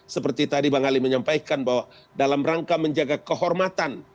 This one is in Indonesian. seperti tadi bang ali menyampaikan bahwa dalam rangka menjaga kehormatan